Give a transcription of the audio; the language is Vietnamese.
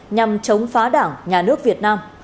nhằm chống phá đảng nhà nước việt nam